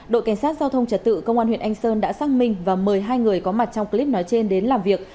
đội cảnh sát giao thông trật tự công an huyện anh sơn đã xác minh và mời hai người có mặt trong clip nói trên đến làm việc